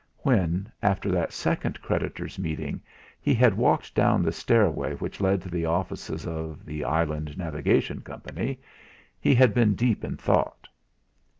When, after that second creditors' meeting, he had walked down the stairway which led to the offices of "The Island Navigation Company," he had been deep in thought.